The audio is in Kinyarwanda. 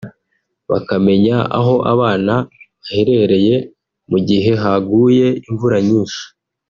bakamenya aho abana baherereye mu gihe haguye imvura nyinshi